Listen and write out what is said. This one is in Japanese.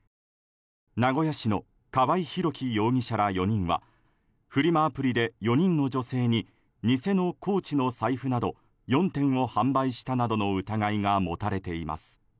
名古屋市の河合宏樹容疑者ら４人はフリマアプリで４人の女性に偽のコーチの財布など４点を販売したなどの疑いが持たれています。